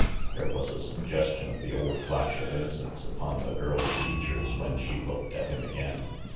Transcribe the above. There was a suggestion of the old flash of inno cence upon the girl's features when she looked at him again.